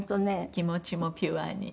気持ちもピュアに。